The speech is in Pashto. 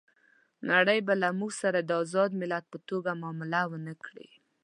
نړۍ به له موږ سره د آزاد ملت په توګه معامله ونه کړي.